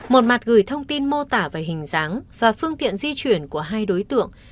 một mặt gửi thông tin mô tả về hình dáng và phương tiện di chuyển của hai đối tượng